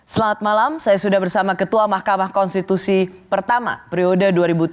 selamat malam saya sudah bersama ketua mahkamah konstitusi pertama periode dua ribu tujuh belas dua ribu dua